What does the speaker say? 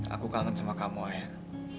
aku kangen sama kamu ya